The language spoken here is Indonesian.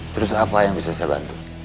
terus apa yang bisa saya bantu